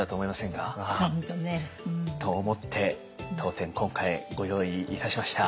本当ね。と思って当店今回ご用意いたしました。